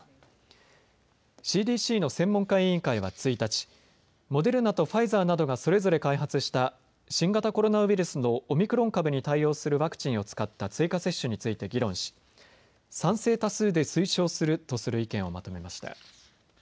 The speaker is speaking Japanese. ＣＤＣの専門家委員会は１日、モデルナとファイザーなどがそれぞれ開発した新型コロナウイルスのオミクロン株に対応するワクチンを使った追加接種について議論し、賛成多数で推奨するとする意見をまとめました。